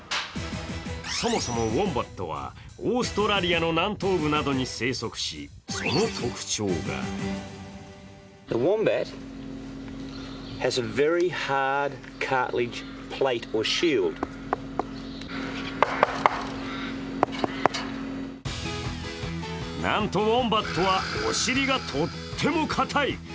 そもそもウォンバットはオーストラリアの南東部などに生息しその特徴がなんと、ウォンバットはお尻がとっても硬い。